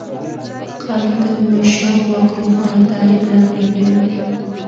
قانون د مشروع واک روښانه تعریف وړاندې کوي.